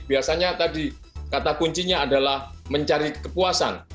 biasanya tadi kata kuncinya adalah mencari kepuasan